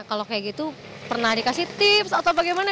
kalau kayak gitu pernah dikasih tips atau bagaimana